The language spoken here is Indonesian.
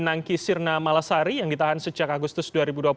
anangki sirna malasari yang ditahan sejak agustus dua ribu dua puluh